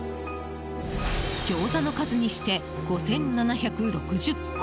ギョーザの数にして５７６０個。